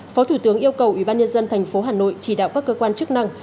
phó thủ tướng yêu cầu ủy ban nhân dân tp hà nội chỉ đạo các cơ quan chức năng